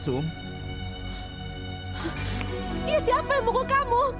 siapa yang mengalahkanmu